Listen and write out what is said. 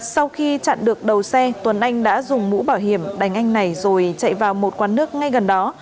sau khi chặn được đầu xe tuấn anh đã dùng mũ bảo hiểm đánh anh này rồi chạy vào một quán nước ngay gần đó